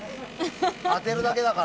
当てるだけだから。